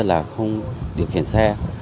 là không điều khiển xe